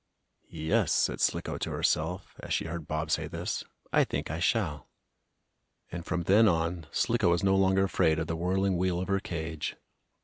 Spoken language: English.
"Yes," said Slicko to herself, as she heard Bob say this, "I think I shall." And, from then on, Slicko was no longer afraid of the whirling wheel of her cage.